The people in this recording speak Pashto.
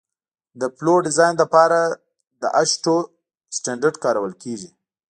د پلونو ډیزاین لپاره د اشټو سټنډرډ کارول کیږي